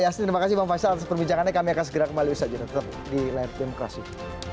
yasin makasih memasang sepenuhnya kami akan segera kembali bisa tetap di lempeng kasih